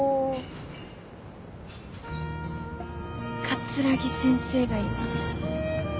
桂木先生がいます。